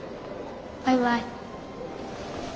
バイバイ。